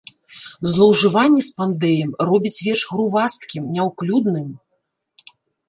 Злоўжыванне спандэем робіць верш грувасткім, няўклюдным.